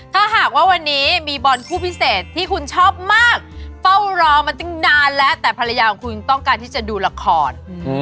ถ้าหากว่าวันนี้มีบอลคู่พิเศษที่คุณชอบมากเฝ้ารอมาตั้งนานแล้วแต่ภรรยาของคุณต้องการที่จะดูละคร